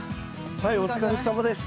はいお疲れさまです。